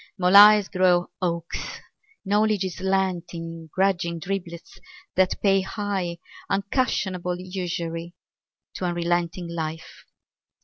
Mole eyes grow hawk's ; knowledge is lent In grudging driblets that pay high Unconscionable usury To unrelenting life.